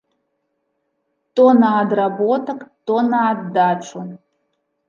То на адработак, то на аддачу.